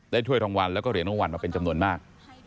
ถ้วยรางวัลแล้วก็เหรียญรางวัลมาเป็นจำนวนมาก